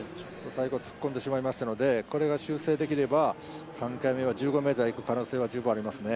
最後、突っ込んでしまいましたのでこれが修正できれば３回目は１５ｍいく可能性は十分ありますね。